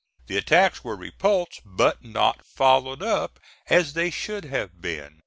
The attacks were repulsed, but not followed up as they should have been.